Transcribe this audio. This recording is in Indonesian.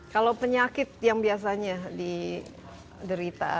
kalau penyakit yang biasanya diderita